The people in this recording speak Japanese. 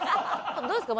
どうですか？